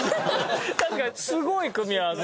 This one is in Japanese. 確かにすごい組み合わせ。